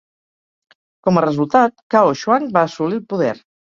Com a resultat, Cao Shuang va assolir el poder.